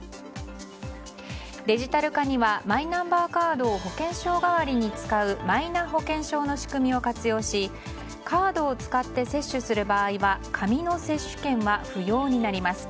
デジタル化にはマイナンバーカードを保険証代わりに使うマイナ保険証の仕組みを活用しカードを使って接種する場合は紙の接種券は不要になります。